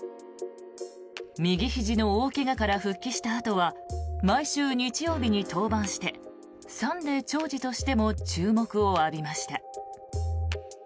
右ひじの大怪我から復帰したあとは毎週日曜日に登板してサンデー兆治としても注目を浴びました。